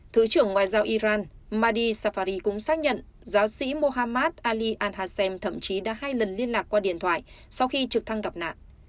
thứ trưởng ngoại giao iran madi safari cũng xác nhận giáo sĩ mohammad ali al hasem thậm chí đã hai lần liên lạc qua điện thoại sau khi trực thăng gặp nạn